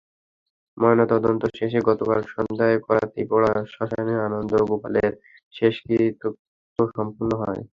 ময়নাতদন্ত শেষে গতকাল সন্ধ্যায় করাতিপাড়া শ্মশানে আনন্দ গোপালের শেষকৃত্য সম্পন্ন হয়।